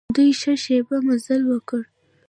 دوی ښه شېبه مزل وکړ.